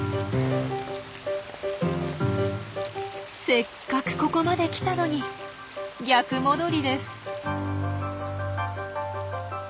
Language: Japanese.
せっかくここまで来たのに逆戻りです。